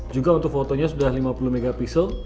juga untuk fotonya sudah lima puluh mp